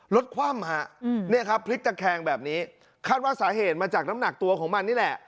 คว่ำฮะเนี่ยครับพลิกตะแคงแบบนี้คาดว่าสาเหตุมาจากน้ำหนักตัวของมันนี่แหละ